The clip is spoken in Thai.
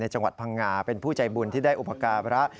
จังหวัดพังงาเป็นผู้ใจบุญที่ได้อุปการะ